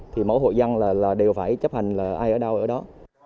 thì mỗi hộ dân đều phải chấp hành ai ở đâu ở đó